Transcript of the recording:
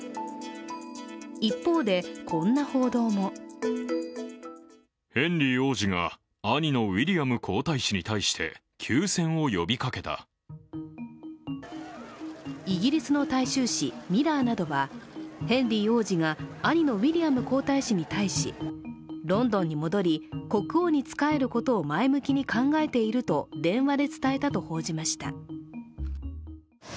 一方で、こんな報道もイギリスの大衆紙「ミラー」などはヘンリー王子が兄のウィリアム皇太子に対しロンドンに戻り、国王に仕えることを前向きに考えていると電話で伝えたと報じました。